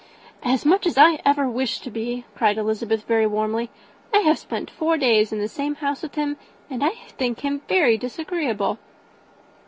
"As much as I ever wish to be," cried Elizabeth, warmly. "I have spent four days in the same house with him, and I think him very disagreeable."